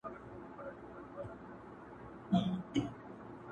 • خو بيا هم پوښتني بې ځوابه پاتې کيږي تل,